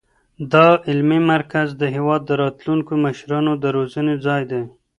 دا علمي مرکز د هېواد د راتلونکو مشرانو د روزنې ځای دی.